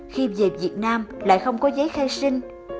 khi về việt nam lại không có giấy tờ tùy thân